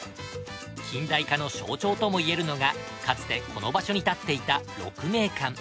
近代化の象徴ともいえるのがかつてこの場所に建っていた鹿鳴館。